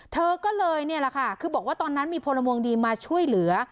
เธอก็เลยนี่แหละค่ะคือบอกว่าตอนนั้นมีพลเมืองดีมาช่วยเหลือ